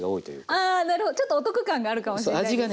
あなるほどちょっとお得感があるかもしれないですね。